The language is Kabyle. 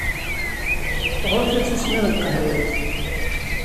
Ɣur-k ad tismiḍ lqahwa-k!